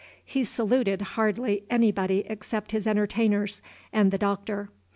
He saluted hardly anybody except his entertainers and the Doctor.